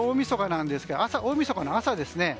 大みそかの朝ですね。